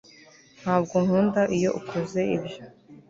ntabwo nkunda iyo ukoze ibyo